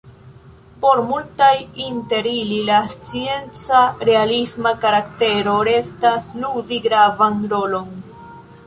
Por multaj inter ili la scienca, "realisma" karaktero restas ludi gravan rolon.